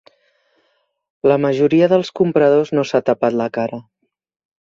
La majoria dels compradors no s'ha tapat la cara.